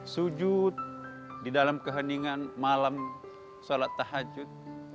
sujud di dalam keheningan malam sholat tahajud